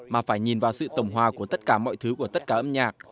mà phải nhìn vào sự tổng hòa của tất cả mọi thứ của tất cả âm nhạc